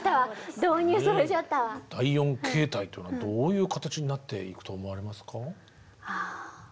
第４形態というのはどういう形になっていくと思われますか？